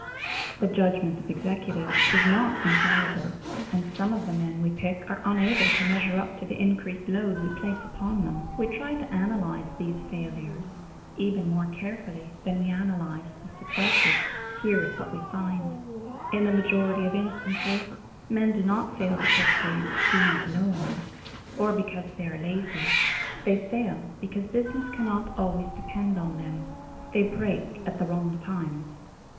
The judgment of executives is not infallible, and some of the men we pick are unable to measure up to the increased load we place upon them. We try to analyze these failures even more carefully than we analyze the successes. Here is what we find: in the majority of instances, men do not fail because they do not know enough, or because they are lazy; they fail because business cannot always depend upon them they break at the wrong times.